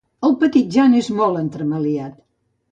El petit Jan és molt entremaliat.